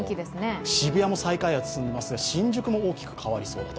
渋谷も再開発進んでいますが新宿も大きく変わりそうだと。